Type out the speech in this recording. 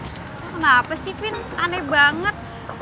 kenapa sih pin aneh banget